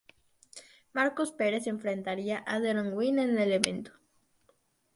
Markus Perez enfrentaría a Deron Winn en el evento.